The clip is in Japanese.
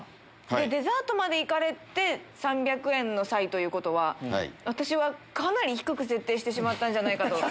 でデザートまで行かれて３００円の差異ということは私はかなり低く設定してしまったんじゃないかと。